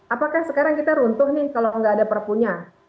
apakah sekarang kita runtuh nih kalau nggak ada perpunya